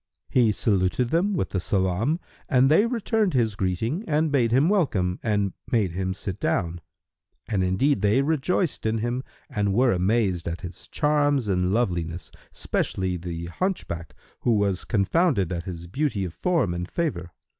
He saluted them with the salam, and they returned his greeting and bade him welcome and made him sit down; and indeed they rejoiced in him and were amazed at his charms and loveliness, especially the hunchback who was confounded at his beauty of form and favour.